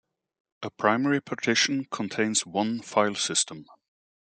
A primary partition contains one file system.